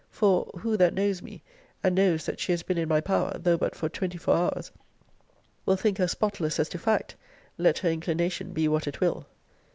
For, who that knows me, and knows that she has been in my power, though but for twenty four hours, will think her spotless as to fact, let her inclination be what it will?